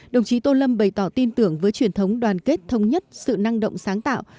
đồng chí tô lâm bày tỏ tin tưởng với truyền thống đoàn kết thống nhất sự năng động sáng tạo